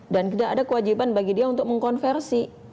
dan tidak ada kewajiban bagi dia untuk mengkonversi